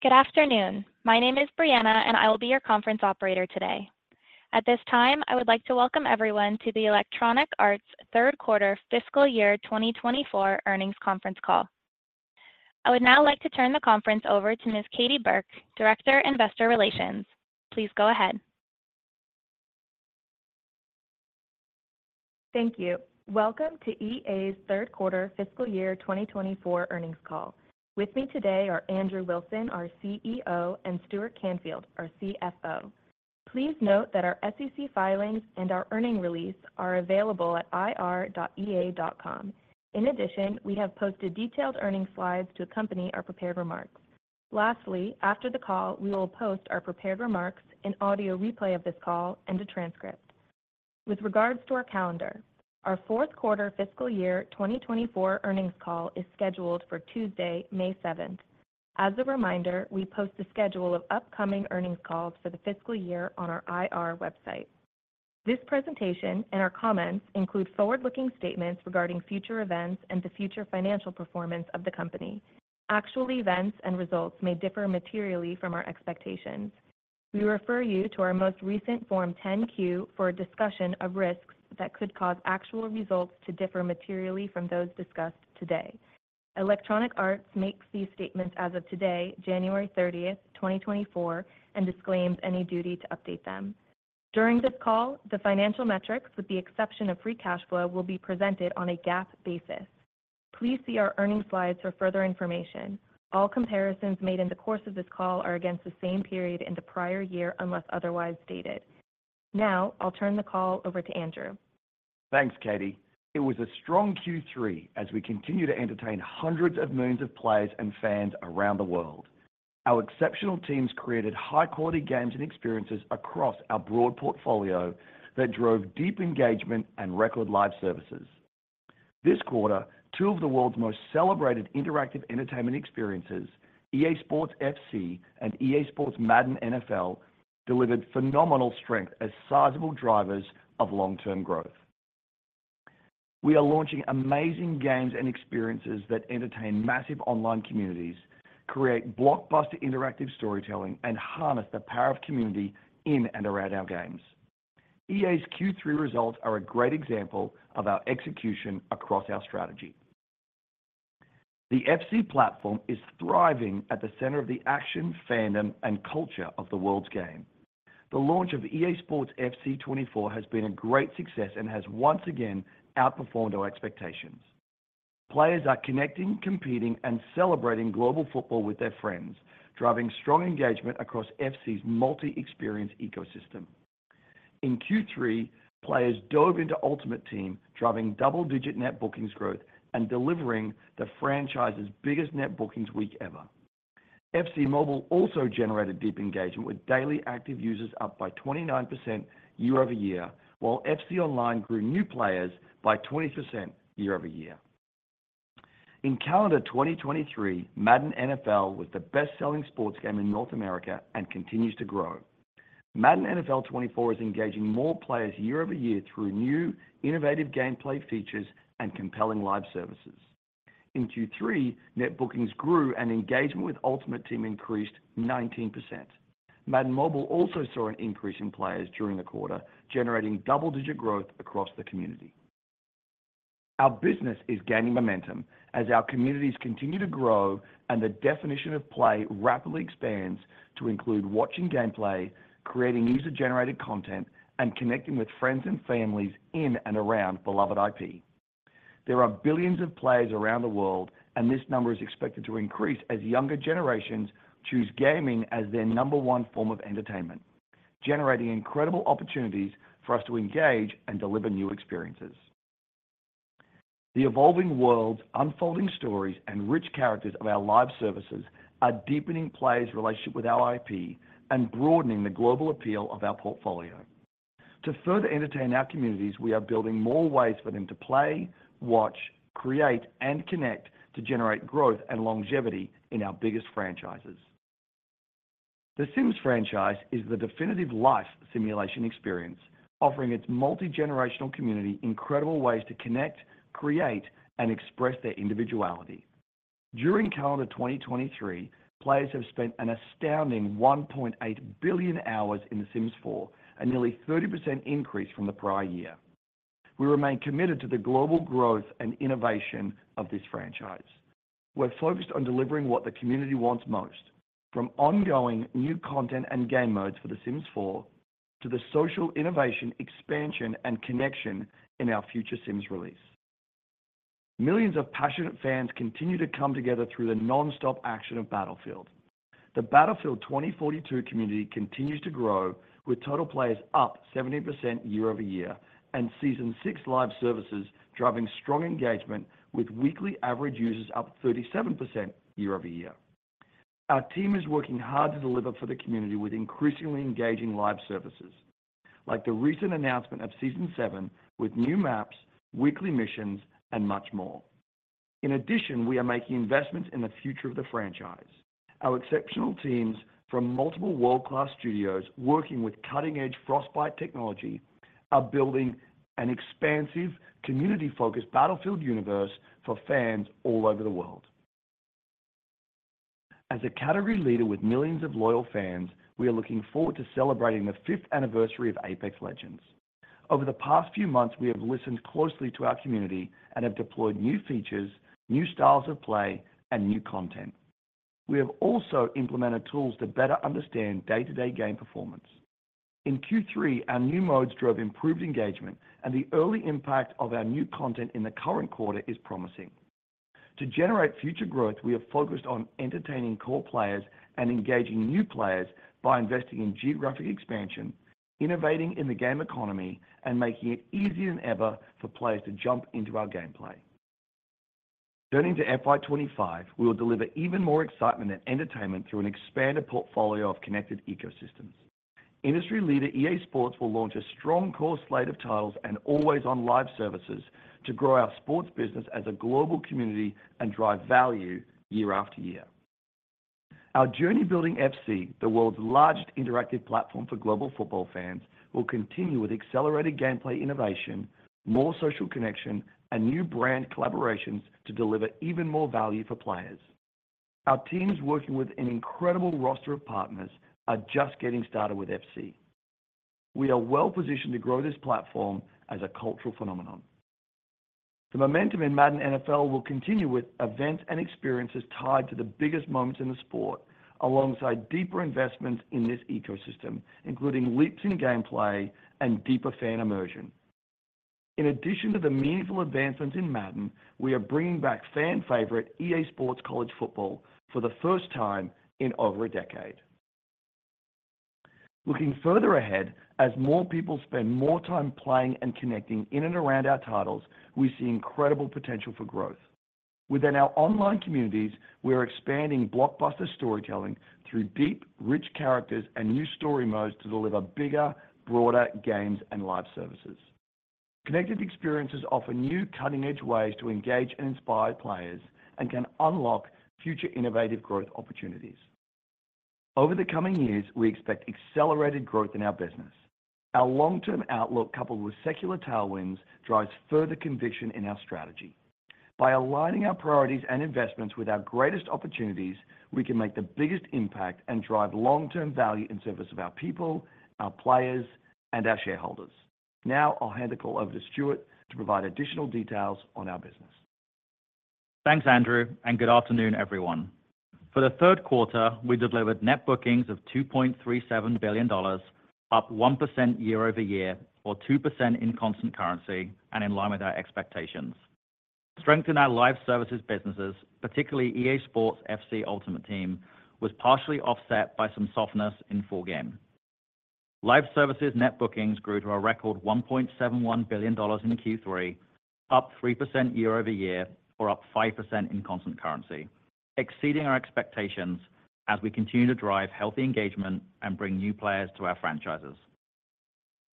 Good afternoon. My name is Brianna, and I will be your conference operator today. At this time, I would like to welcome everyone to the Electronic Arts third quarter fiscal year 2024 earnings conference call. I would now like to turn the conference over to Ms. Katie Burke, Director, Investor Relations. Please go ahead. Thank you. Welcome to EA's third quarter fiscal year 2024 earnings call. With me today are Andrew Wilson, our CEO, and Stuart Canfield, our CFO. Please note that our SEC filings and our earnings release are available at ir.ea.com. In addition, we have posted detailed earnings slides to accompany our prepared remarks. Lastly, after the call, we will post our prepared remarks, an audio replay of this call, and a transcript. With regards to our calendar, our fourth quarter fiscal year 2024 earnings call is scheduled for Tuesday, May seventh. As a reminder, we post a schedule of upcoming earnings calls for the fiscal year on our IR website. This presentation and our comments include forward-looking statements regarding future events and the future financial performance of the company. Actual events and results may differ materially from our expectations. We refer you to our most recent Form 10-Q for a discussion of risks that could cause actual results to differ materially from those discussed today. Electronic Arts makes these statements as of today, January 30, 2024, and disclaims any duty to update them. During this call, the financial metrics, with the exception of free cash flow, will be presented on a GAAP basis. Please see our earnings slides for further information. All comparisons made in the course of this call are against the same period in the prior year, unless otherwise stated. Now, I'll turn the call over to Andrew. Thanks, Katie. It was a strong Q3 as we continue to entertain hundreds of millions of players and fans around the world. Our exceptional teams created high-quality games and experiences across our broad portfolio that drove deep engagement and record Live Services. This quarter, two of the world's most celebrated interactive entertainment experiences, EA SPORTS FC and EA SPORTS Madden NFL, delivered phenomenal strength as sizable drivers of long-term growth. We are launching amazing games and experiences that entertain massive online communities, create blockbuster interactive storytelling, and harness the power of community in and around our games. EA's Q3 results are a great example of our execution across our strategy. The FC platform is thriving at the center of the action, fandom, and culture of the world's game. The launch of EA SPORTS FC 24 has been a great success and has once again outperformed our expectations. Players are connecting, competing, and celebrating global football with their friends, driving strong engagement across FC's multi-experience ecosystem. In Q3, players dove into Ultimate Team, driving double-digit net bookings growth and delivering the franchise's biggest net bookings week ever. FC Mobile also generated deep engagement, with daily active users up by 29% year-over-year, while FC Online grew new players by 20% year-over-year. In calendar 2023, Madden NFL was the best-selling sports game in North America and continues to grow. Madden NFL 24 is engaging more players year-over-year through new innovative gameplay features and compelling Live Services. In Q3, net bookings grew, and engagement with Ultimate Team increased 19%. Madden Mobile also saw an increase in players during the quarter, generating double-digit growth across the community. Our business is gaining momentum as our communities continue to grow and the definition of play rapidly expands to include watching gameplay, creating user-generated content, and connecting with friends and families in and around beloved IP. There are billions of players around the world, and this number is expected to increase as younger generations choose gaming as their number one form of entertainment, generating incredible opportunities for us to engage and deliver new experiences. The evolving world's unfolding stories and rich characters of our Live Services are deepening players' relationship with our IP and broadening the global appeal of our portfolio. To further entertain our communities, we are building more ways for them to play, watch, create, and connect to generate growth and longevity in our biggest franchises. The Sims franchise is the definitive life simulation experience, offering its multigenerational community incredible ways to connect, create, and express their individuality. During calendar 2023, players have spent an astounding 1.8 billion hours in The Sims 4, a nearly 30% increase from the prior year. We remain committed to the global growth and innovation of this franchise. We're focused on delivering what the community wants most, from ongoing new content and game modes for The Sims 4 to the social innovation, expansion, and connection in our future Sims release. Millions of passionate fans continue to come together through the nonstop action of Battlefield. The Battlefield 2042 community continues to grow, with total players up 70% year-over-year and Season Six Live Services driving strong engagement, with weekly average users up 37% year-over-year. Our team is working hard to deliver for the community with increasingly engaging Live Services, like the recent announcement of Season Seven, with new maps, weekly missions, and much more. In addition, we are making investments in the future of the franchise. Our exceptional teams from multiple world-class studios, working with cutting-edge Frostbite technology, are building an expansive, community-focused Battlefield universe for fans all over the world. As a category leader with millions of loyal fans, we are looking forward to celebrating the fifth anniversary of Apex Legends. Over the past few months, we have listened closely to our community and have deployed new features, new styles of play, and new content. We have also implemented tools to better understand day-to-day game performance. In Q3, our new modes drove improved engagement, and the early impact of our new content in the current quarter is promising. To generate future growth, we are focused on entertaining core players and engaging new players by investing in geographic expansion, innovating in the game economy, and making it easier than ever for players to jump into our gameplay. Turning to FY'25, we will deliver even more excitement and entertainment through an expanded portfolio of connected ecosystems. Industry leader EA SPORTS will launch a strong core slate of titles and always-on Live Services to grow our sports business as a global community and drive value year after year. Our journey building FC, the world's largest interactive platform for global football fans, will continue with accelerated gameplay innovation, more social connection, and new brand collaborations to deliver even more value for players. Our teams, working with an incredible roster of partners, are just getting started with FC. We are well positioned to grow this platform as a cultural phenomenon. The momentum in Madden NFL will continue with events and experiences tied to the biggest moments in the sport, alongside deeper investments in this ecosystem, including leaps in gameplay and deeper fan immersion. In addition to the meaningful advancements in Madden, we are bringing back fan-favorite EA SPORTS College Football for the first time in over a decade. Looking further ahead, as more people spend more time playing and connecting in and around our titles, we see incredible potential for growth. Within our online communities, we are expanding blockbuster storytelling through deep, rich characters and new story modes to deliver bigger, broader games and Live Services. Connected experiences offer new, cutting-edge ways to engage and inspire players and can unlock future innovative growth opportunities. Over the coming years, we expect accelerated growth in our business. Our long-term outlook, coupled with secular tailwinds, drives further conviction in our strategy. By aligning our priorities and investments with our greatest opportunities, we can make the biggest impact and drive long-term value in service of our people, our players, and our shareholders. Now I'll hand the call over to Stuart to provide additional details on our business. Thanks, Andrew, and good afternoon, everyone. For the third quarter, we delivered net bookings of $2.37 billion, up 1% year over year or 2% in constant currency, and in line with our expectations. Strength in our Live Services businesses, particularly EA SPORTS FC Ultimate Team, was partially offset by some softness in full game. Live Services net bookings grew to a record $1.71 billion in Q3, up 3% year over year or up 5% in constant currency, exceeding our expectations as we continue to drive healthy engagement and bring new players to our franchises.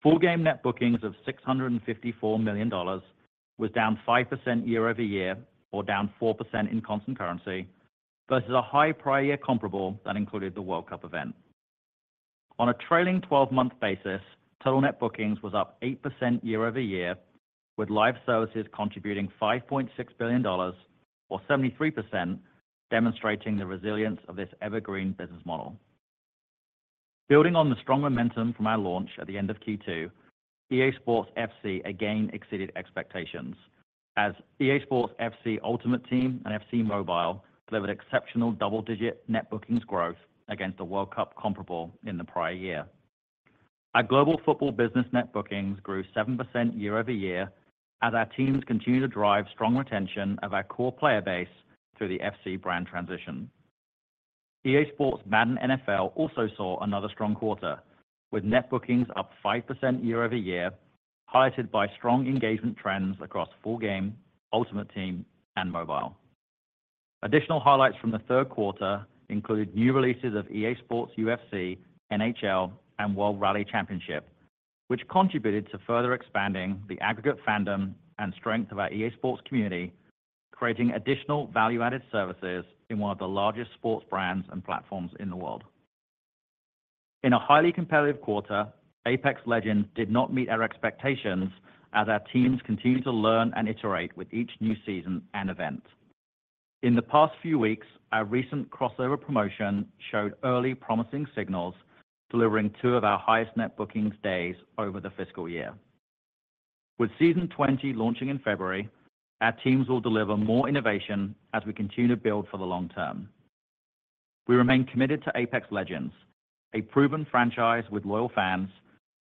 Full game net bookings of $654 million was down 5% year over year or down 4% in constant currency versus a high prior year comparable that included the World Cup event. On a trailing twelve-month basis, total net bookings was up 8% year over year, with Live Services contributing $5.6 billion or 73%, demonstrating the resilience of this evergreen business model. Building on the strong momentum from our launch at the end of Q2, EA SPORTS FC again exceeded expectations as EA SPORTS FC Ultimate Team and FC Mobile delivered exceptional double-digit net bookings growth against the World Cup comparable in the prior year. Our global football business net bookings grew 7% year over year as our teams continue to drive strong retention of our core player base through the FC brand transition. EA SPORTS Madden NFL also saw another strong quarter, with net bookings up 5% year over year, highlighted by strong engagement trends across full game, Ultimate Team, and mobile. Additional highlights from the third quarter include new releases of EA SPORTS UFC, NHL, and World Rally Championship, which contributed to further expanding the aggregate fandom and strength of our EA SPORTS community, creating additional value-added services in one of the largest sports brands and platforms in the world. In a highly competitive quarter, Apex Legends did not meet our expectations as our teams continue to learn and iterate with each new season and event. In the past few weeks, our recent crossover promotion showed early promising signals, delivering two of our highest net bookings days over the fiscal year. With Season 20 launching in February, our teams will deliver more innovation as we continue to build for the long term. We remain committed to Apex Legends, a proven franchise with loyal fans,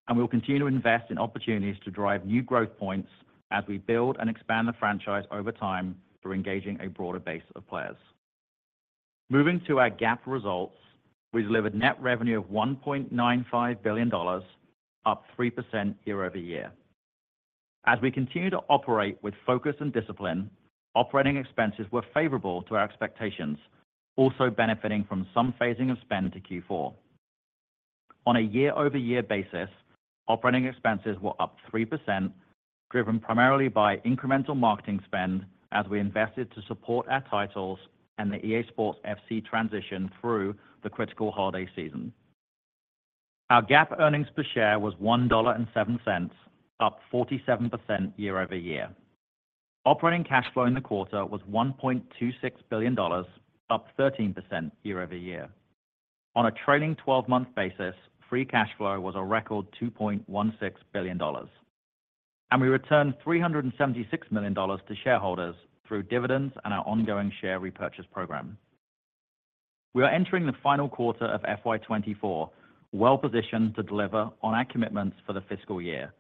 and we will continue to invest in opportunities to drive new growth points as we build and expand the franchise over time through engaging a broader base of players. Moving to our GAAP results, we delivered net revenue of $1.95 billion, up 3% year-over-year. As we continue to operate with focus and discipline, operating expenses were favorable to our expectations, also benefiting from some phasing of spend into Q4. On a year-over-year basis, operating expenses were up 3%, driven primarily by incremental marketing spend as we invested to support our titles and the EA SPORTS FC transition through the critical holiday season. Our GAAP earnings per share was $1.07, up 47% year-over-year. Operating cash flow in the quarter was $1.26 billion, up 13% year-over-year. On a trailing twelve-month basis, free cash flow was a record $2.16 billion, and we returned $376 million to shareholders through dividends and our ongoing share repurchase program. We are entering the final quarter of FY'24, well-positioned to deliver on our commitments for the fiscal year.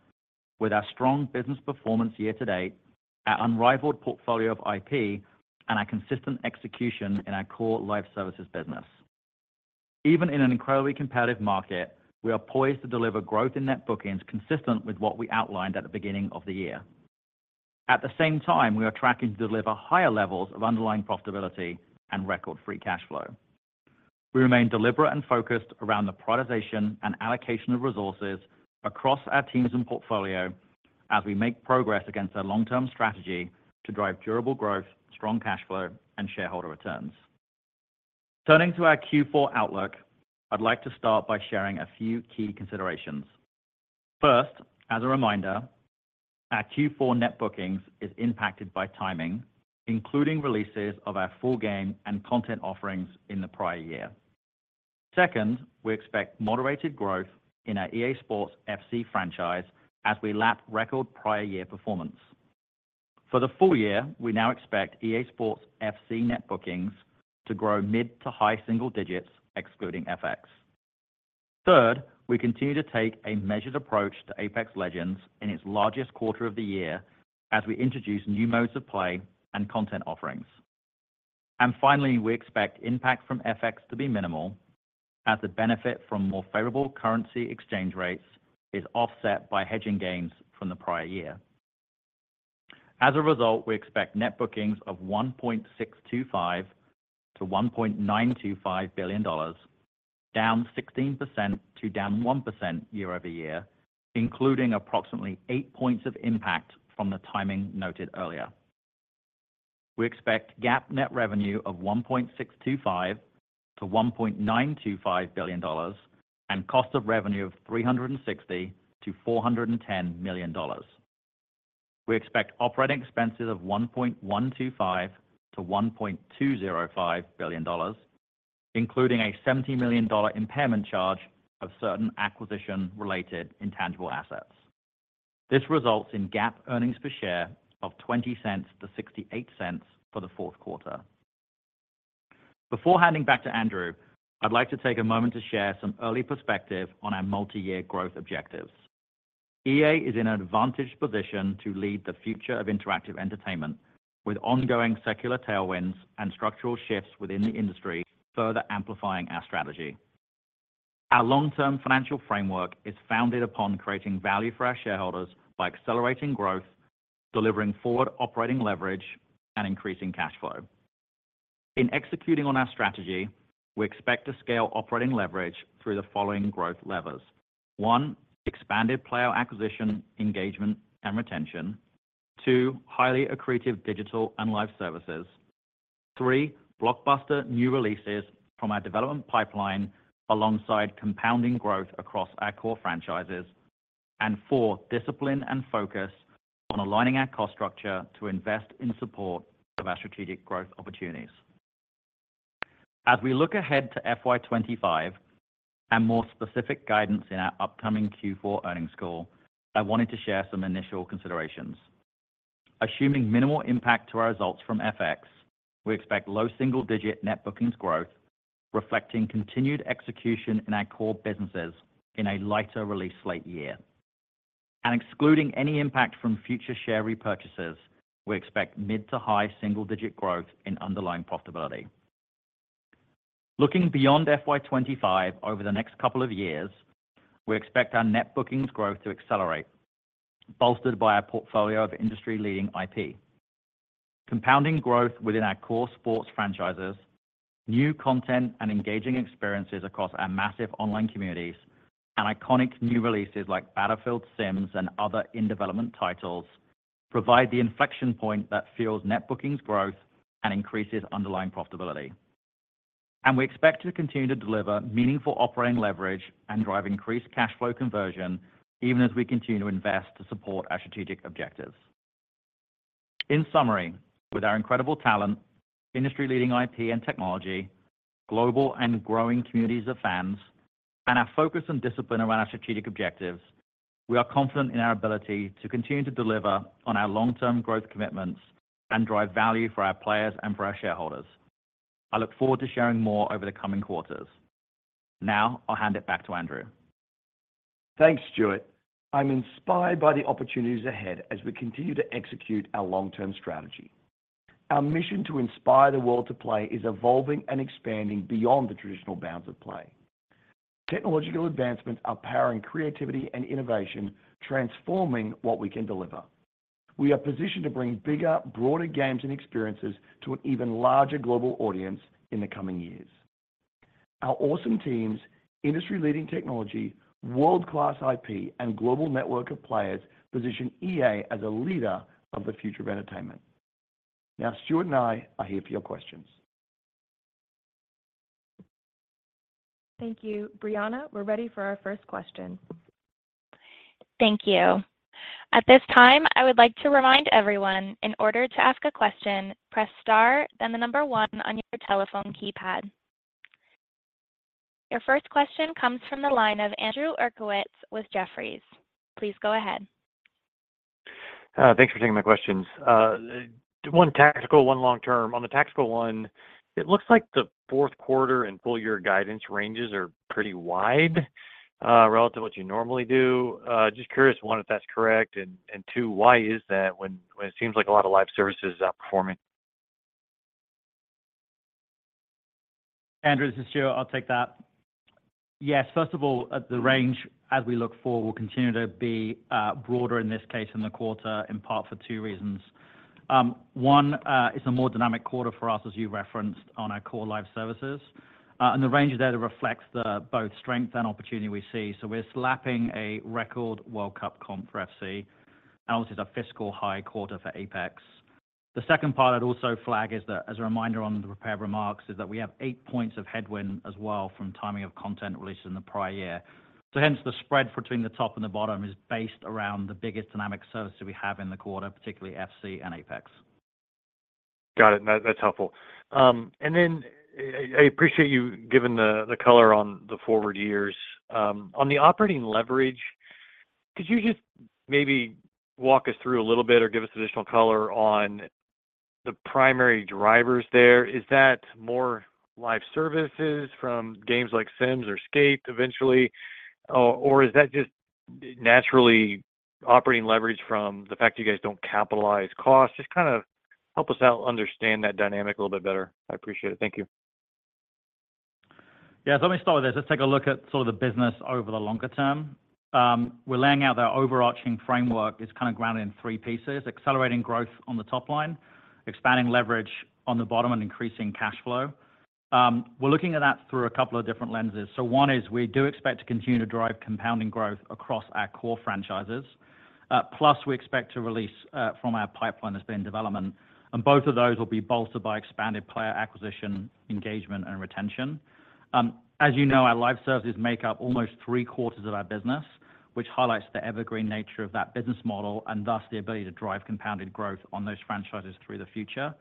With our strong business performance year to date, our unrivaled portfolio of IP, and our consistent execution in our core Live Services business. Even in an incredibly competitive market, we are poised to deliver growth in net bookings, consistent with what we outlined at the beginning of the year. At the same time, we are tracking to deliver higher levels of underlying profitability and record free cash flow. We remain deliberate and focused around the prioritization and allocation of resources across our teams and portfolio as we make progress against our long-term strategy to drive durable growth, strong cash flow, and shareholder returns. Turning to our Q4 outlook, I'd like to start by sharing a few key considerations. First, as a reminder, our Q4 net bookings is impacted by timing, including releases of our full game and content offerings in the prior year. Second, we expect moderated growth in our EA SPORTS FC franchise as we lap record prior year performance. For the full year, we now expect EA SPORTS FC net bookings to grow mid to high single digits, excluding FX. Third, we continue to take a measured approach to Apex Legends in its largest quarter of the year as we introduce new modes of play and content offerings. And finally, we expect impact from FX to be minimal, as the benefit from more favorable currency exchange rates is offset by hedging gains from the prior year. As a result, we expect net bookings of $1.625 billion-$1.925 billion, down 16% to down 1% year-over-year, including approximately 8 points of impact from the timing noted earlier. We expect GAAP net revenue of $1.625 billion-$1.925 billion and cost of revenue of $360 million-$410 million. We expect operating expenses of $1.125 billion-$1.205 billion, including a $70 million impairment charge of certain acquisition-related intangible assets. This results in GAAP earnings per share of $0.20-$0.68 for the fourth quarter. Before handing back to Andrew, I'd like to take a moment to share some early perspective on our multi-year growth objectives. EA is in an advantageous position to lead the future of interactive entertainment, with ongoing secular tailwinds and structural shifts within the industry further amplifying our strategy. Our long-term financial framework is founded upon creating value for our shareholders by accelerating growth, delivering forward operating leverage, and increasing cash flow. In executing on our strategy, we expect to scale operating leverage through the following growth levers: One, expanded player acquisition, engagement, and retention. Two, highly accretive digital and Live Services. Three, blockbuster new releases from our development pipeline, alongside compounding growth across our core franchises. And four, discipline and focus on aligning our cost structure to invest in support of our strategic growth opportunities. As we look ahead to FY'25 and more specific guidance in our upcoming Q4 earnings call, I wanted to share some initial considerations. Assuming minimal impact to our results from FX, we expect low single-digit net bookings growth, reflecting continued execution in our core businesses in a lighter release slate year. Excluding any impact from future share repurchases, we expect mid to high single-digit growth in underlying profitability. Looking beyond FY'25, over the next couple of years, we expect our net bookings growth to accelerate, bolstered by our portfolio of industry-leading IP. Compounding growth within our core sports franchises, new content and engaging experiences across our massive online communities, and iconic new releases like Battlefield, Sims, and other in-development titles provide the inflection point that fuels net bookings growth and increases underlying profitability. We expect to continue to deliver meaningful operating leverage and drive increased cash flow conversion, even as we continue to invest to support our strategic objectives. In summary, with our incredible talent, industry-leading IP and technology, global and growing communities of fans, and our focus and discipline around our strategic objectives, we are confident in our ability to continue to deliver on our long-term growth commitments and drive value for our players and for our shareholders. I look forward to sharing more over the coming quarters. Now I'll hand it back to Andrew. Thanks, Stuart. I'm inspired by the opportunities ahead as we continue to execute our long-term strategy. Our mission to inspire the world to play is evolving and expanding beyond the traditional bounds of play. Technological advancements are powering creativity and innovation, transforming what we can deliver. We are positioned to bring bigger, broader games and experiences to an even larger global audience in the coming years.... Our awesome teams, industry-leading technology, world-class IP, and global network of players position EA as a leader of the future of entertainment. Now, Stuart and I are here for your questions. Thank you. Brianna, we're ready for our first question. Thank you. At this time, I would like to remind everyone, in order to ask a question, press star, then the number one on your telephone keypad. Your first question comes from the line of Andrew Uerkwitz with Jefferies. Please go ahead. Thanks for taking my questions. One tactical, one long-term. On the tactical one, it looks like the fourth quarter and full year guidance ranges are pretty wide, relative to what you normally do. Just curious, one, if that's correct, and two, why is that when it seems like a lot of live service is outperforming? Andrew, this is Stuart. I'll take that. Yes, first of all, the range as we look forward will continue to be broader in this case in the quarter, in part for two reasons. One, it's a more dynamic quarter for us, as you referenced on our core Live Services. And the range there reflects the both strength and opportunity we see. So we're slapping a record World Cup comp for FC, and obviously, a fiscal high quarter for Apex. The second part, I'd also flag, is that as a reminder on the prepared remarks, is that we have eight points of headwind as well from timing of content released in the prior year. So hence, the spread between the top and the bottom is based around the biggest dynamic services we have in the quarter, particularly FC and Apex. Got it. That, that's helpful. And then I appreciate you giving the color on the forward years. On the operating leverage, could you just maybe walk us through a little bit or give us additional color on the primary drivers there? Is that more Live Services from games like Sims or Skate eventually, or is that just naturally operating leverage from the fact you guys don't capitalize costs? Just kinda help us out understand that dynamic a little bit better. I appreciate it. Thank you. Yeah, so let me start with this. Let's take a look at sort of the business over the longer term. We're laying out our overarching framework. It's kinda grounded in three pieces: accelerating growth on the top line, expanding leverage on the bottom, and increasing cash flow. We're looking at that through a couple of different lenses. So one is we do expect to continue to drive compounding growth across our core franchises. Plus, we expect to release, from our pipeline that's been in development, and both of those will be bolstered by expanded player acquisition, engagement, and retention. As you know, our Live Services make up almost three-quarters of our business, which highlights the evergreen nature of that business model, and thus, the ability to drive compounded growth on those franchises through the future.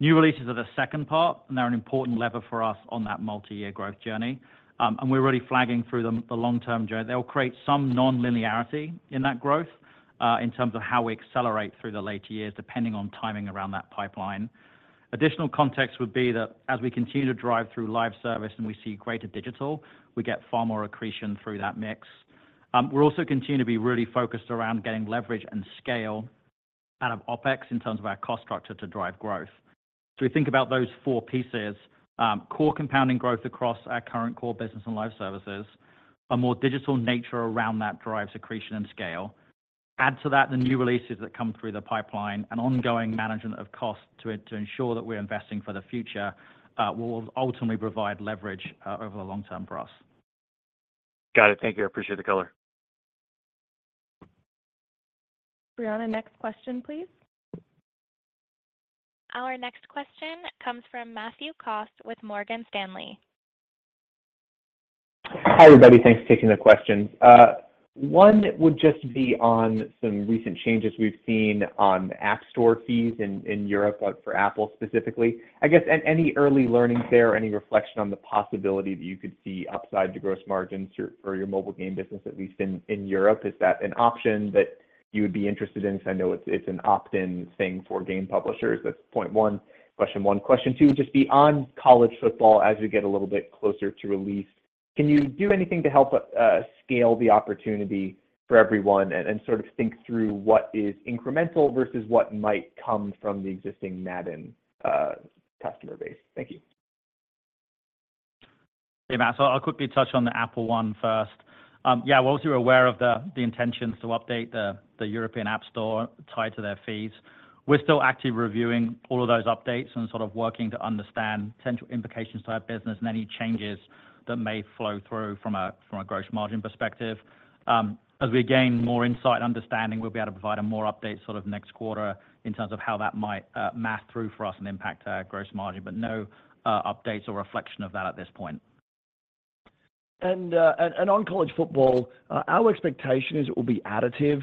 New releases are the second part, and they're an important lever for us on that multi-year growth journey. And we're already flagging through the long-term journey. They'll create some non-linearity in that growth, in terms of how we accelerate through the later years, depending on timing around that pipeline. Additional context would be that as we continue to drive through Live Services and we see greater digital, we get far more accretion through that mix. We're also continuing to be really focused around getting leverage and scale out of OpEx in terms of our cost structure to drive growth. So we think about those four pieces, core compounding growth across our current core business and Live Services, a more digital nature around that drives accretion and scale. Add to that, the new releases that come through the pipeline and ongoing management of cost to ensure that we're investing for the future, will ultimately provide leverage over the long term for us. Got it. Thank you. I appreciate the color. Brianna, next question, please. Our next question comes from Matthew Cost with Morgan Stanley. Hi, everybody. Thanks for taking the questions. One would just be on some recent changes we've seen on the App Store fees in Europe, but for Apple specifically. I guess, any early learnings there, any reflection on the possibility that you could see upside your gross margins for your mobile game business, at least in Europe? Is that an option that you would be interested in? Because I know it's an opt-in thing for game publishers. That's point one, question one. Question two, just be on college football as we get a little bit closer to release. Can you do anything to help scale the opportunity for everyone and sort of think through what is incremental versus what might come from the existing Madden customer base? Thank you. Hey, Matt. So I'll quickly touch on the Apple one first. Yeah, we're also aware of the intentions to update the European App Store tied to their fees. We're still actively reviewing all of those updates and sort of working to understand potential implications to our business and any changes that may flow through from a gross margin perspective. As we gain more insight and understanding, we'll be able to provide a more update sort of next quarter in terms of how that might math through for us and impact our gross margin, but no updates or reflection of that at this point. On college football, our expectation is it will be additive.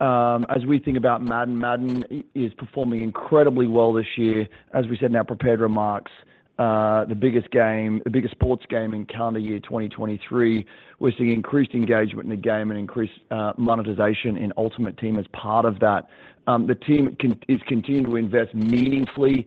As we think about Madden, Madden is performing incredibly well this year. As we said in our prepared remarks, the biggest game, the biggest sports game in calendar year 2023, we're seeing increased engagement in the game and increased monetization in Ultimate Team as part of that. The team is continuing to invest meaningfully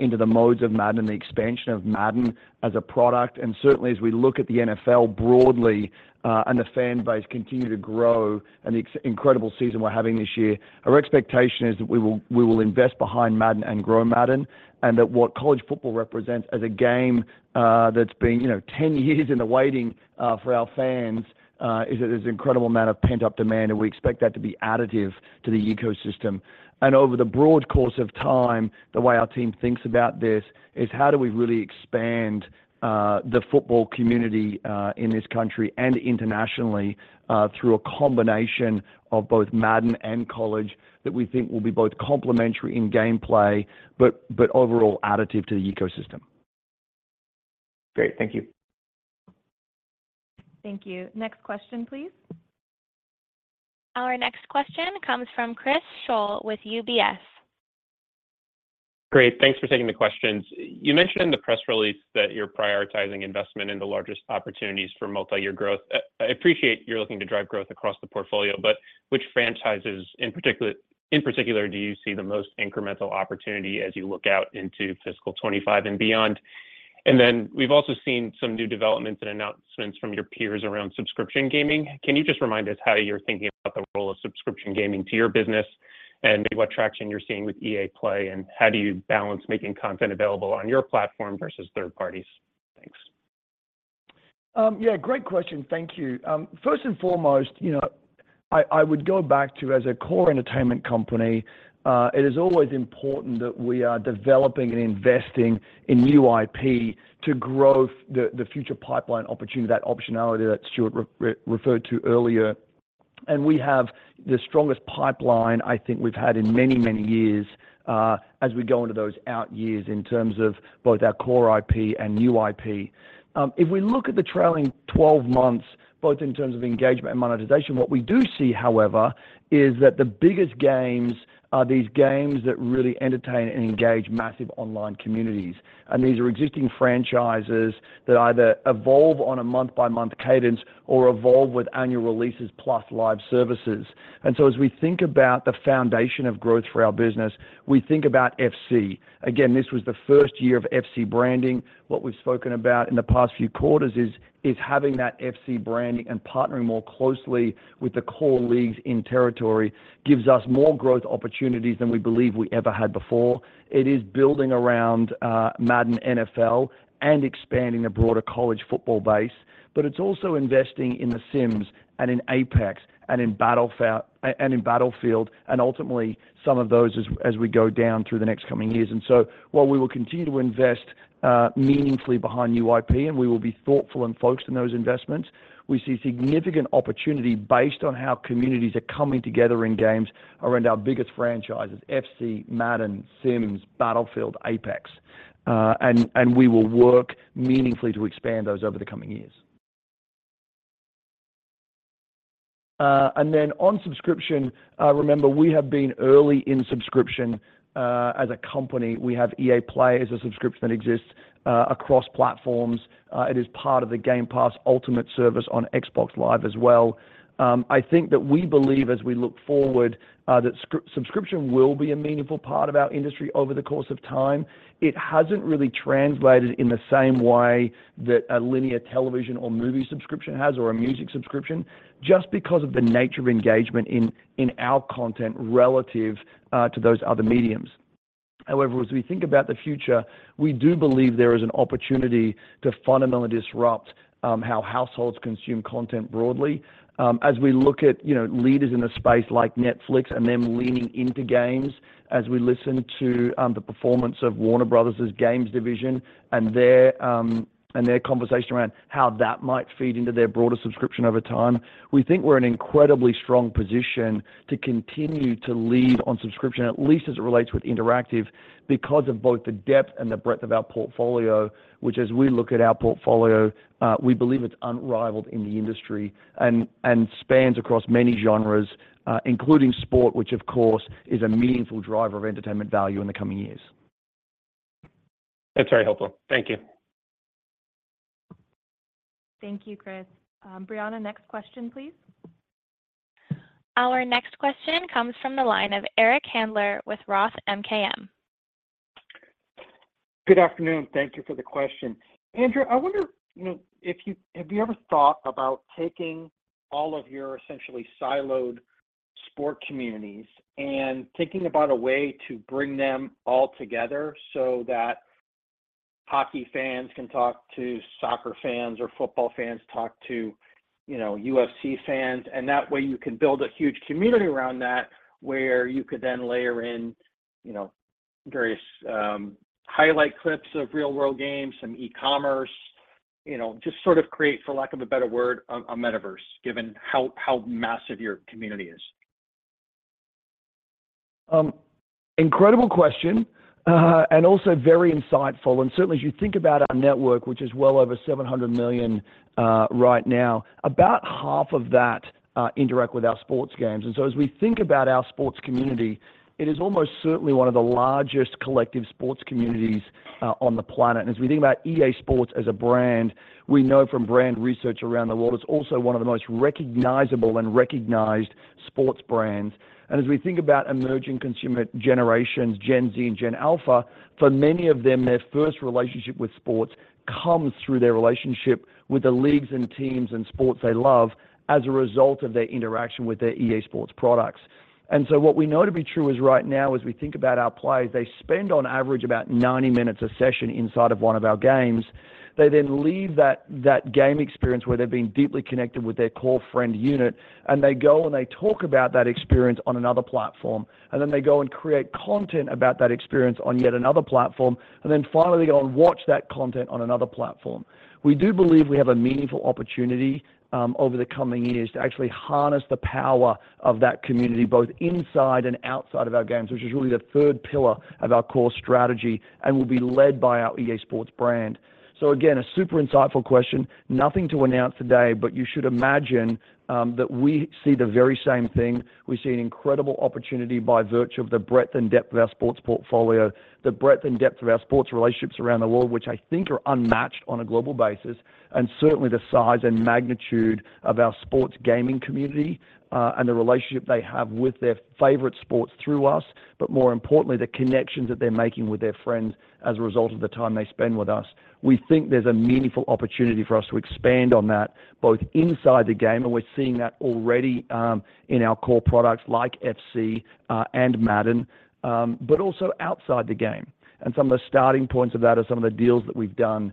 into the modes of Madden and the expansion of Madden as a product. And certainly, as we look at the NFL broadly, and the fan base continue to grow and the incredible season we're having this year, our expectation is that we will, we will invest behind Madden and grow Madden, and that what college football represents as a game, that's been, you know, 10 years in the waiting, for our fans, is that there's an incredible amount of pent-up demand, and we expect that to be additive to the ecosystem. And over the broad course of time, the way our team thinks about this is: how do we really expand, the football community, in this country and internationally, through a combination of both Madden and College, that we think will be both complementary in gameplay, but, but overall additive to the ecosystem? Great. Thank you. Thank you. Next question, please. Our next question comes from Chris Schoell with UBS. Great. Thanks for taking the questions. You mentioned in the press release that you're prioritizing investment in the largest opportunities for multi-year growth. I appreciate you're looking to drive growth across the portfolio, but which franchises in particular, in particular, do you see the most incremental opportunity as you look out into fiscal 25 and beyond? And then we've also seen some new developments and announcements from your peers around subscription gaming. Can you just remind us how you're thinking about the role of subscription gaming to your business and maybe what traction you're seeing with EA Play, and how do you balance making content available on your platform versus third parties? Thanks. Yeah, great question. Thank you. First and foremost, you know, I would go back to as a core entertainment company, it is always important that we are developing and investing in new IP to grow the future pipeline opportunity, that optionality that Stuart referred to earlier. And we have the strongest pipeline I think we've had in many, many years, as we go into those out years in terms of both our core IP and new IP. If we look at the trailing twelve months, both in terms of engagement and monetization, what we do see, however, is that the biggest games are these games that really entertain and engage massive online communities. And these are existing franchises that either evolve on a month-by-month cadence or evolve with annual releases plus Live Services. And so as we think about the foundation of growth for our business, we think about FC. Again, this was the first year of FC branding. What we've spoken about in the past few quarters is having that FC branding and partnering more closely with the core leagues in territory gives us more growth opportunities than we believe we ever had before. It is building around Madden NFL and expanding a broader college football base, but it's also investing in The Sims and in Apex and in Battlefield, and ultimately, some of those as we go down through the next coming years. While we will continue to invest meaningfully behind new IP, and we will be thoughtful and focused in those investments, we see significant opportunity based on how communities are coming together in games around our biggest franchises: FC, Madden, Sims, Battlefield, Apex. We will work meaningfully to expand those over the coming years. On subscription, remember, we have been early in subscription as a company. We have EA Play as a subscription that exists across platforms. It is part of the Game Pass Ultimate service on Xbox Live as well. I think that we believe as we look forward, that subscription will be a meaningful part of our industry over the course of time. It hasn't really translated in the same way that a linear television or movie subscription has, or a music subscription, just because of the nature of engagement in our content relative to those other mediums. However, as we think about the future, we do believe there is an opportunity to fundamentally disrupt how households consume content broadly. As we look at, you know, leaders in the space like Netflix and them leaning into games, as we listen to the performance of Warner Bros.' Games division and their conversation around how that might feed into their broader subscription over time, we think we're in an incredibly strong position to continue to lead on subscription, at least as it relates with interactive, because of both the depth and the breadth of our portfolio, which, as we look at our portfolio, we believe it's unrivaled in the industry and spans across many genres, including sport, which of course, is a meaningful driver of entertainment value in the coming years. That's very helpful. Thank you. Thank you, Chris. Brianna, next question, please. Our next question comes from the line of Eric Handler with Roth MKM. Good afternoon. Thank you for the question. Andrew, I wonder, you know, if you have ever thought about taking all of your essentially siloed sport communities and thinking about a way to bring them all together so that hockey fans can talk to soccer fans or football fans talk to, you know, UFC fans, and that way, you can build a huge community around that, where you could then layer in, you know, various highlight clips of real-world games, some e-commerce, you know, just sort of create, for lack of a better word, a metaverse, given how massive your community is? Incredible question, and also very insightful. Certainly, as you think about our network, which is well over 700 million right now, about half of that interact with our sports games. So as we think about our sports community, it is almost certainly one of the largest collective sports communities on the planet. As we think about EA SPORTS as a brand, we know from brand research around the world, it's also one of the most recognizable and recognized sports brands. As we think about emerging consumer generations, Gen Z and Gen Alpha, for many of them, their first relationship with sports comes through their relationship with the leagues and teams and sports they love as a result of their interaction with their EA SPORTS products. What we know to be true is right now, as we think about our players, they spend on average about 90 minutes a session inside of one of our games. They then leave that game experience where they've been deeply connected with their core friend unit, and they go and they talk about that experience on another platform, and then they go and create content about that experience on yet another platform, and then finally they go and watch that content on another platform. We do believe we have a meaningful opportunity over the coming years to actually harness the power of that community, both inside and outside of our games, which is really the third pillar of our core strategy, and will be led by our EA SPORTS brand. Again, a super insightful question. Nothing to announce today, but you should imagine that we see the very same thing. We see an incredible opportunity by virtue of the breadth and depth of our sports portfolio, the breadth and depth of our sports relationships around the world, which I think are unmatched on a global basis, and certainly the size and magnitude of our sports gaming community, and the relationship they have with their favorite sports through us, but more importantly, the connections that they're making with their friends as a result of the time they spend with us. We think there's a meaningful opportunity for us to expand on that, both inside the game, and we're seeing that already, in our core products like FC and Madden, but also outside the game. Some of the starting points of that are some of the deals that we've done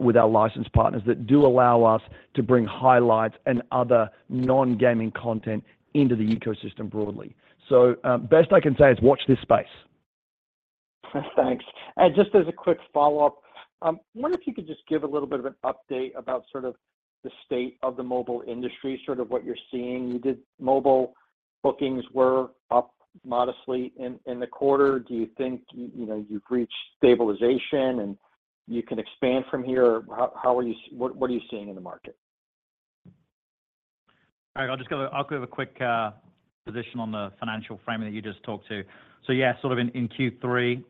with our license partners that do allow us to bring highlights and other non-gaming content into the ecosystem broadly. So, best I can say is watch this space. Thanks. And just as a quick follow-up, wonder if you could just give a little bit of an update about sort of the state of the mobile industry, sort of what you're seeing. Your mobile bookings were up modestly in the quarter. Do you think, you know, you've reached stabilization and you can expand from here? How—what are you seeing in the market? All right, I'll just give a quick position on the financial framing that you just talked to. So yeah, sort of in Q3,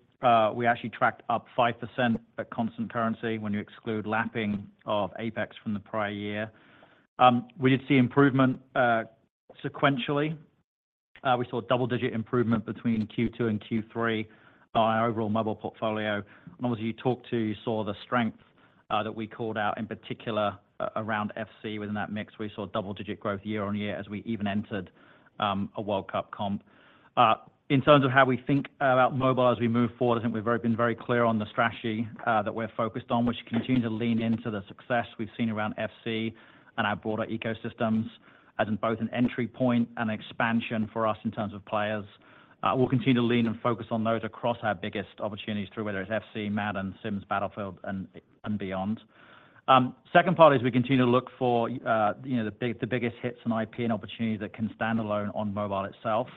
we actually tracked up 5% at constant currency when you exclude lapping of Apex from the prior year. We did see improvement sequentially. We saw double-digit improvement between Q2 and Q3 by our overall mobile portfolio. And obviously, you saw the strength that we called out, in particular around FC. Within that mix, we saw double-digit growth year-on-year as we even entered a World Cup comp. In terms of how we think about mobile as we move forward, I think we've been very clear on the strategy that we're focused on, which continues to lean into the success we've seen around FC and our broader ecosystems, as in both an entry point and expansion for us in terms of players. We'll continue to lean and focus on those across our biggest opportunities, through whether it's FC, Madden, Sims, Battlefield, and, and beyond. Second part is we continue to look for, you know, the biggest hits in IP and opportunities that can stand alone on mobile itself,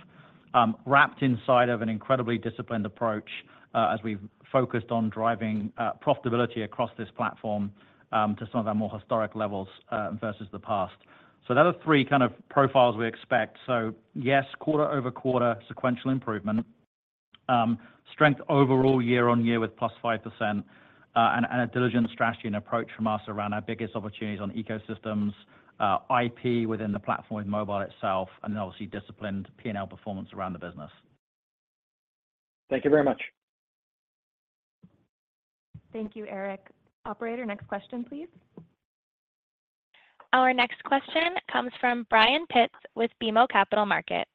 wrapped inside of an incredibly disciplined approach, as we've focused on driving profitability across this platform, to some of our more historic levels, versus the past. So those are three kind of profiles we expect. So yes, quarter-over-quarter sequential improvement, strength overall year-on-year with +5%, and a diligent strategy and approach from us around our biggest opportunities on ecosystems, IP within the platform with mobile itself, and then obviously, disciplined P&L performance around the business. Thank you very much. Thank you, Eric. Operator, next question, please. Our next question comes from Brian Pitz with BMO Capital Markets.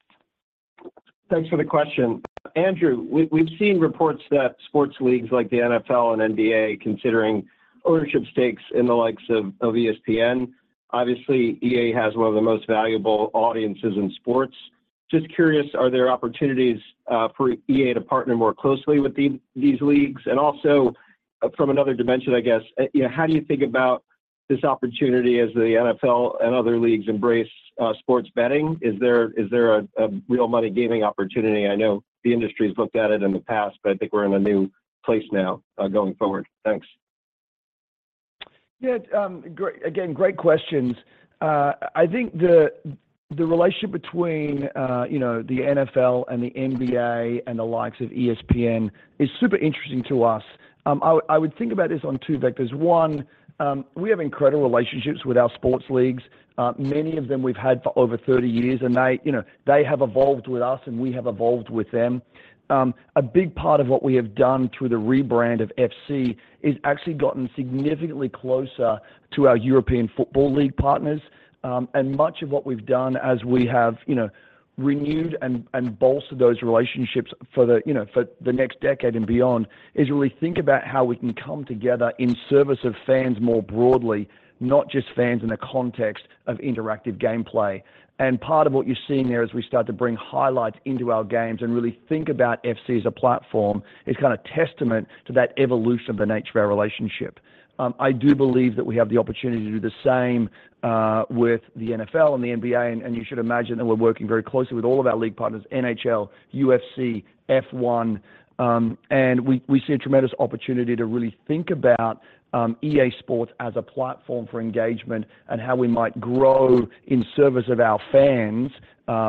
Thanks for the question. Andrew, we've seen reports that sports leagues like the NFL and NBA are considering ownership stakes in the likes of ESPN. Obviously, EA has one of the most valuable audiences in sports. Just curious, are there opportunities for EA to partner more closely with these leagues? And also, from another dimension, I guess, you know, how do you think about this opportunity as the NFL and other leagues embrace sports betting? Is there a real money-gaining opportunity? I know the industry's looked at it in the past, but I think we're in a new place now, going forward. Thanks. Yeah, great... Again, great questions. I think the relationship between, you know, the NFL and the NBA and the likes of ESPN is super interesting to us. I would think about this on two vectors. One, we have incredible relationships with our sports leagues. Many of them we've had for over 30 years, and they, you know, they have evolved with us, and we have evolved with them. A big part of what we have done through the rebrand of FC is actually gotten significantly closer to our European football league partners. Much of what we've done as we have, you know, renewed and bolstered those relationships for the, you know, for the next decade and beyond, is really think about how we can come together in service of fans more broadly, not just fans in the context of interactive gameplay. Part of what you're seeing there as we start to bring highlights into our games and really think about FC as a platform, is kind of testament to that evolution of the nature of our relationship. I do believe that we have the opportunity to do the same with the NFL and the NBA, and you should imagine that we're working very closely with all of our league partners, NHL, UFC, F1. And we see a tremendous opportunity to really think about EA SPORTS as a platform for engagement and how we might grow in service of our fans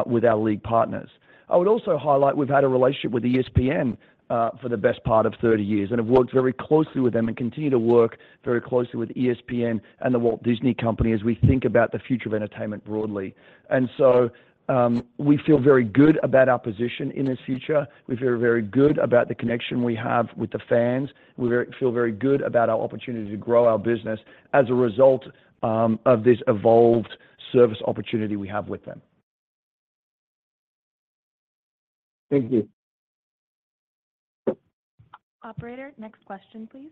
with our league partners. I would also highlight, we've had a relationship with ESPN for the best part of 30 years, and have worked very closely with them and continue to work very closely with ESPN and The Walt Disney Company as we think about the future of entertainment broadly. And so, we feel very good about our position in this future. We feel very good about the connection we have with the fans. We feel very good about our opportunity to grow our business as a result of this evolved service opportunity we have with them. Thank you. Operator, next question, please.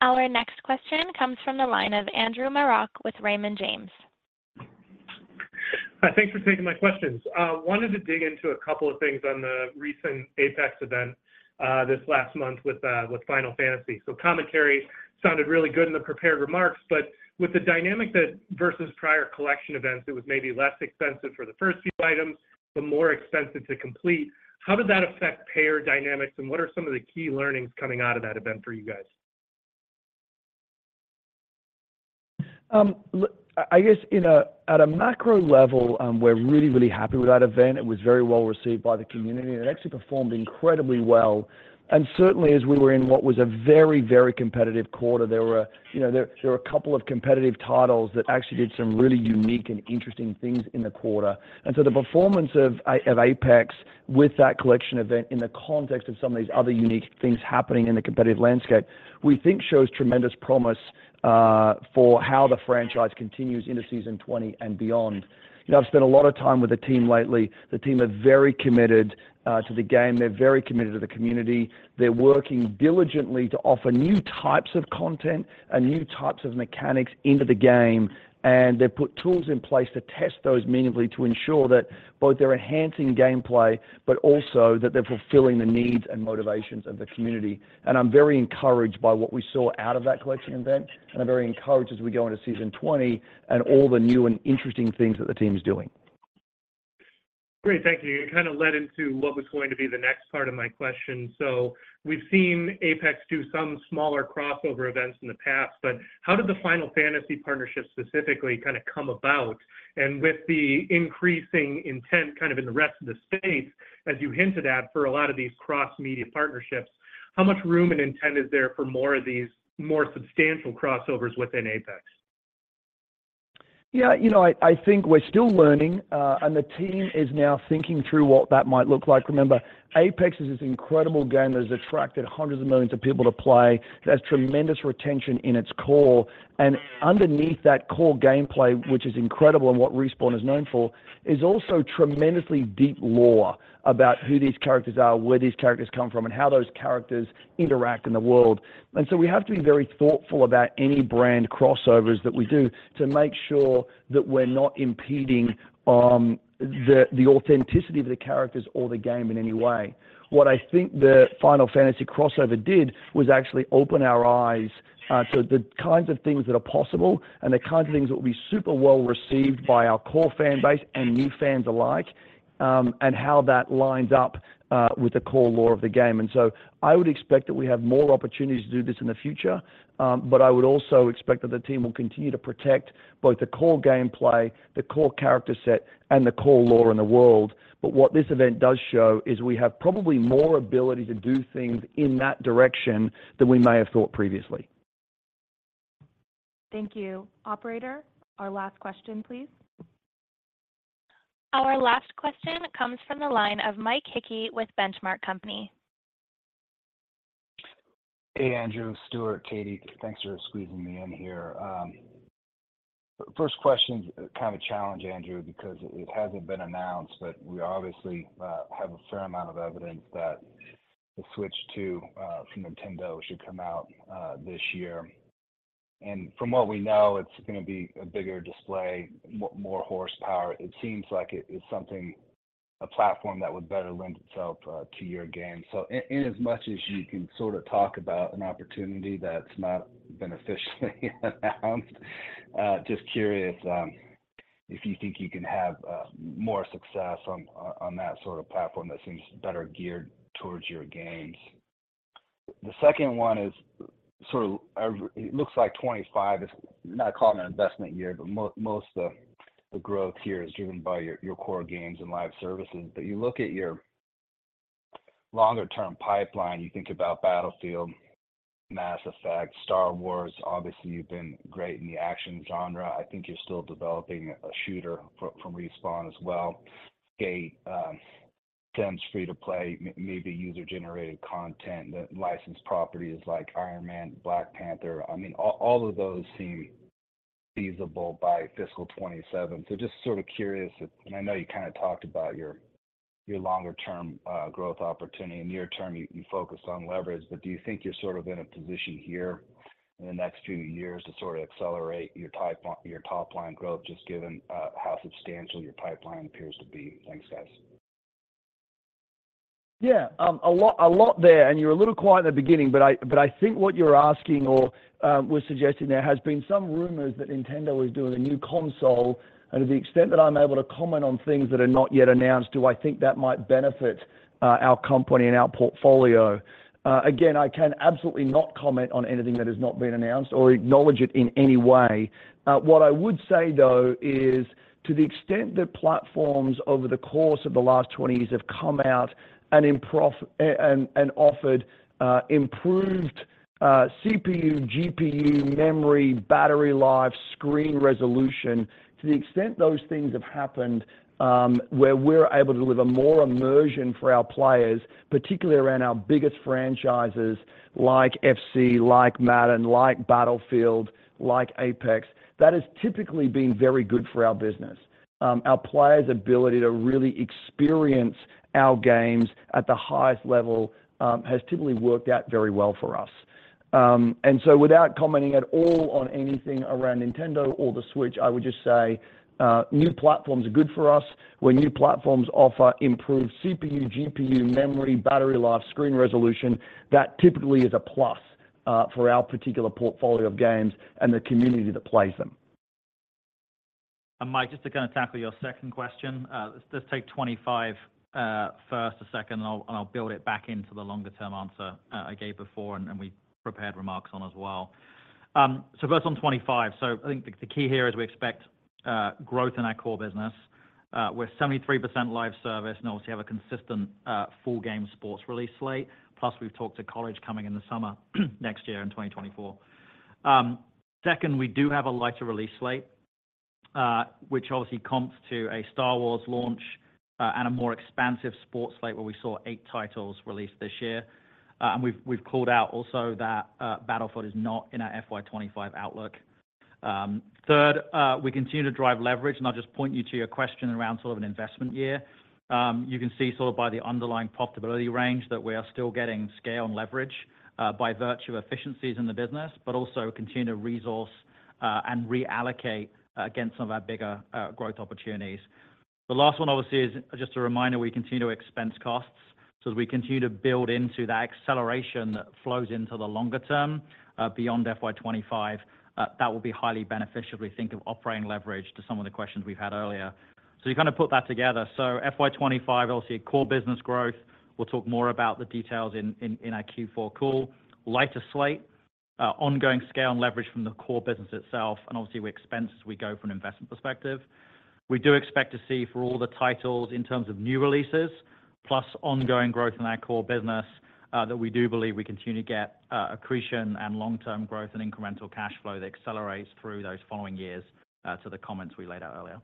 Our next question comes from the line of Andrew Marok with Raymond James. Hi, thanks for taking my questions. Wanted to dig into a couple of things on the recent Apex event this last month with Final Fantasy. So commentary sounded really good in the prepared remarks, but with the dynamic that versus prior collection events, it was maybe less expensive for the first few items, but more expensive to complete. How does that affect payer dynamics, and what are some of the key learnings coming out of that event for you guys? I guess at a macro level, we're really, really happy with that event. It was very well-received by the community, and it actually performed incredibly well. And certainly, as we were in what was a very, very competitive quarter, there were, you know, a couple of competitive titles that actually did some really unique and interesting things in the quarter. And so the performance of Apex with that collection event, in the context of some of these other unique things happening in the competitive landscape, we think shows tremendous promise for how the franchise continues into Season 20 and beyond. You know, I've spent a lot of time with the team lately. The team are very committed to the game. They're very committed to the community. They're working diligently to offer new types of content and new types of mechanics into the game, and they've put tools in place to test those meaningfully to ensure that both they're enhancing gameplay, but also that they're fulfilling the needs and motivations of the community. I'm very encouraged by what we saw out of that collection event, and I'm very encouraged as we go into Season 20 and all the new and interesting things that the team's doing. Great, thank you. You kind of led into what was going to be the next part of my question. So we've seen Apex do some smaller crossover events in the past, but how did the Final Fantasy partnership specifically kind of come about? And with the increasing intent, kind of in the rest of the space, as you hinted at, for a lot of these cross-media partnerships, how much room and intent is there for more of these more substantial crossovers within Apex? Yeah, you know, I, I think we're still learning, and the team is now thinking through what that might look like. Remember, Apex is this incredible game that has attracted hundreds of millions of people to play, that has tremendous retention in its core. And underneath that core gameplay, which is incredible and what Respawn is known for, is also tremendously deep lore about who these characters are, where these characters come from, and how those characters interact in the world. And so we have to be very thoughtful about any brand crossovers that we do to make sure that we're not impeding the authenticity of the characters or the game in any way. What I think the Final Fantasy crossover did was actually open our eyes to the kinds of things that are possible and the kinds of things that will be super well-received by our core fan base and new fans alike, and how that lines up with the core lore of the game. And so I would expect that we have more opportunities to do this in the future, but I would also expect that the team will continue to protect both the core gameplay, the core character set, and the core lore in the world. But what this event does show is we have probably more ability to do things in that direction than we may have thought previously. Thank you. Operator, our last question, please. Our last question comes from the line of Mike Hickey with Benchmark Company. Hey, Andrew, Stuart, Katie, thanks for squeezing me in here. First question's kind of a challenge, Andrew, because it hasn't been announced, but we obviously have a fair amount of evidence that the Switch 2 from Nintendo should come out this year. And from what we know, it's going to be a bigger display, more horsepower. It seems like it is something, a platform that would better lend itself to your game. So inasmuch as you can sort of talk about an opportunity that's not been officially announced, just curious if you think you can have more success on that sort of platform that seems better geared towards your games? The second one is sort of, it looks like 25 is... not calling it an investment year, but most of the growth here is driven by your, your core games and Live Services. But you look at your longer-term pipeline, you think about Battlefield, Mass Effect, Star Wars. Obviously, you've been great in the action genre. I think you're still developing a shooter from Respawn as well. Skate turns free to play, maybe user-generated content, the licensed properties like Iron Man, Black Panther. I mean, all, all of those seem feasible by fiscal 2027. So just sort of curious, and I know you kind of talked about your, your longer-term growth opportunity. In near term, you, you focused on leverage. But do you think you're sort of in a position here in the next few years to sort of accelerate your top- your top line growth, just given how substantial your pipeline appears to be? Thanks, guys. Yeah, a lot, a lot there, and you were a little quiet in the beginning, but I think what you're asking or was suggesting, there has been some rumors that Nintendo is doing a new console. And to the extent that I'm able to comment on things that are not yet announced, do I think that might benefit our company and our portfolio? Again, I can absolutely not comment on anything that has not been announced or acknowledge it in any way. What I would say, though, is to the extent that platforms over the course of the last 20 years have come out and improved... CPU, GPU, memory, battery life, screen resolution, to the extent those things have happened, where we're able to deliver more immersion for our players, particularly around our biggest franchises like FC, like Madden, like Battlefield, like Apex, that has typically been very good for our business. Our players' ability to really experience our games at the highest level has typically worked out very well for us. And so without commenting at all on anything around Nintendo or the Switch, I would just say, new platforms are good for us. Where new platforms offer improved CPU, GPU, memory, battery life, screen resolution, that typically is a plus for our particular portfolio of games and the community that plays them. And Mike, just to kinda tackle your second question, let's just take 25 first for a second, and I'll build it back into the longer-term answer I gave before and we prepared remarks on as well. So first on 25. So I think the key here is we expect growth in our core business. We're 73% live service, and obviously have a consistent full game sports release slate, plus we've talked to college coming in the summer next year in 2024. Second, we do have a lighter release slate, which obviously comps to a Star Wars launch and a more expansive sports slate, where we saw 8 titles released this year. And we've called out also that Battlefield is not in our FY'25 outlook. Third, we continue to drive leverage, and I'll just point you to your question around sort of an investment year. You can see sort of by the underlying profitability range that we are still getting scale and leverage by virtue of efficiencies in the business, but also continue to resource and reallocate against some of our bigger growth opportunities. The last one, obviously, is just a reminder, we continue to expense costs. So as we continue to build into that acceleration that flows into the longer term beyond FY'25, that will be highly beneficial if we think of operating leverage to some of the questions we've had earlier. So you kinda put that together. So FY'25, obviously, a core business growth. We'll talk more about the details in our Q4 call. Lighter slate, ongoing scale and leverage from the core business itself, and obviously, we expense as we go from an investment perspective. We do expect to see for all the titles, in terms of new releases, plus ongoing growth in our core business, that we do believe we continue to get, accretion and long-term growth and incremental cash flow that accelerates through those following years, to the comments we laid out earlier.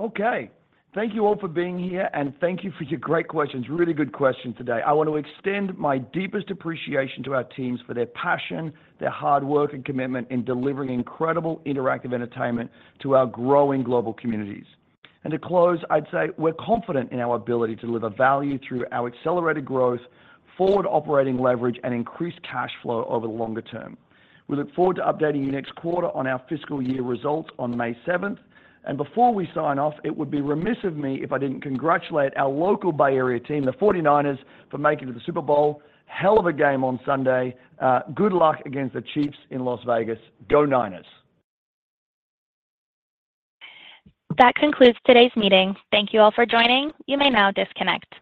Okay. Thank you all for being here, and thank you for your great questions. Really good questions today. I want to extend my deepest appreciation to our teams for their passion, their hard work and commitment in delivering incredible interactive entertainment to our growing global communities. And to close, I'd say we're confident in our ability to deliver value through our accelerated growth, forward operating leverage, and increased cash flow over the longer term. We look forward to updating you next quarter on our fiscal year results on May seventh. And before we sign off, it would be remiss of me if I didn't congratulate our local Bay Area team, the 49ers, for making it to the Super Bowl. Hell of a game on Sunday. Good luck against the Chiefs in Las Vegas. Go Niners! That concludes today's meeting. Thank you all for joining. You may now disconnect.